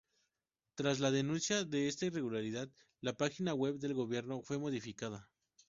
Tras la denuncia de esta irregularidad, la página web del gobierno fue modificada.